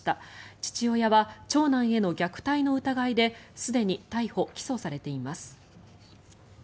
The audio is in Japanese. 父親は長男への虐待の疑いですでに逮捕・起訴されています。